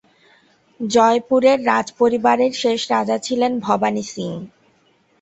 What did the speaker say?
জয়পুরের রাজপরিবারের শেষ রাজা ছিলেন ভবানী সিং।